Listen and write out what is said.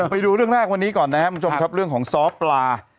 ไปดูเรื่องแรกวันนี้ก่อนนะครับคุณผู้ชมครับเรื่องของซ้อปลา